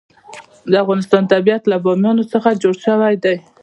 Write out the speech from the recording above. د افغانستان طبیعت له بامیان څخه جوړ شوی دی.